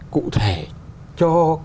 cụ thể cho